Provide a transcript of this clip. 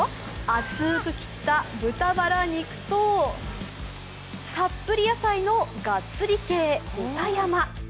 厚く切った豚ばら肉とたっぷり野菜のがっつり系、豚山。